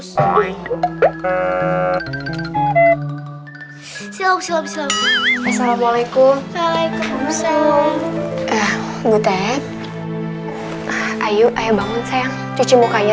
selalu selalu selalu selalu alaikum waalaikum salam butet ayo ayo bangun sayang cuci mukanya